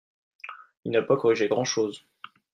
Il n’a pas corrigé grand-chose